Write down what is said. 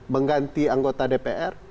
mengganti anggota dpr